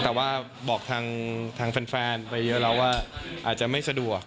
แต่ว่าบอกทางแฟนไปเยอะแล้วว่าอาจจะไม่สะดวก